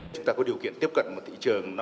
chúng ta có điều kiện tiếp cận một thị trường